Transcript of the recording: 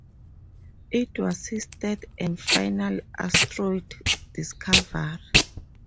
It was his third and final asteroid discovery.